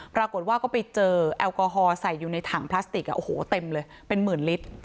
ปรากฏว่าก็ไปเจอแอลกอฮอลใส่อยู่ในถังพลาสติกโอ้โหเต็มเลยเป็นหมื่นลิตร